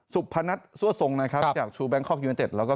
สุบพนัทซั่วทรงนะครับครับจากชูแบงค์คอกยูนิเต็ปแล้วก็